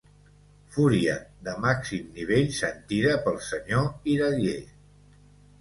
Fúria de màxim nivell sentida pel senyor Iradier.